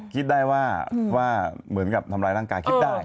คิดได้ว่าเหมือนกับทำร้ายร่างกายคิดได้